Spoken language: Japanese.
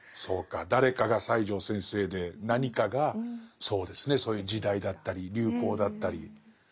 そうか「誰か」が西條先生で「何か」がそうですねそういう時代だったり流行だったり。